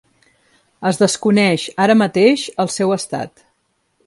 Es desconeix, ara mateix, el seu estat.